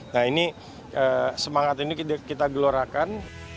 nah ini semangat ini kita gelorakan